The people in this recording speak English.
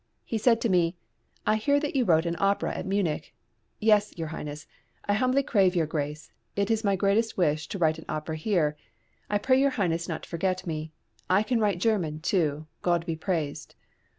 He said to me, "I hear that you wrote an opera at Munich." "Yes, your highness. I humbly crave your grace, it is my greatest wish to write an opera here. I pray your highness not to forget me. I can write German, too, God be praised."